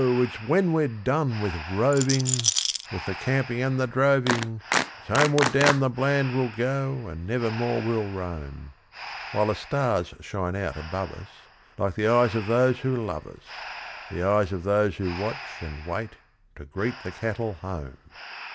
it's when we're done with roving, With the camping and the droving, It's homeward down the Bland we'll go, and never more we'll roam;' While the stars shine out above us, Like the eyes of those who love us The eyes of those who watch and wait to greet the cattle home.